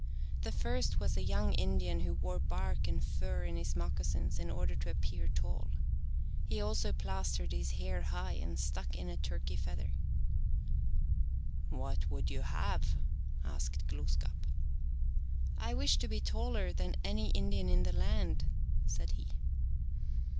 The first was a young Indian who wore bark and fur in his moccasins in order to appear tall. He also plastered his hair high and stuck in it a turkey feather. " What would you have ?" asked Glooskap. " I wish to be taller than any Indian in the land," said he.